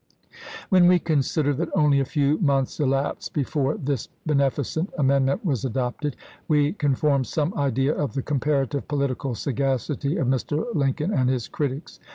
" When we consider that only a few months elapsed before this beneficent amendment was adopted, we can form some idea of the comparative political sagacity of Mr. Lincoln and his critics.